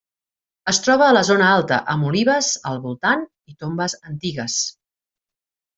Es troba a la zona alta, amb olives al voltant i tombes antigues.